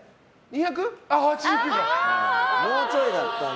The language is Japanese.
もうちょいだったんだ。